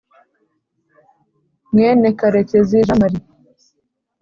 mwene karekezi jean marie